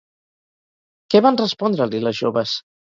Què van respondre-li les joves?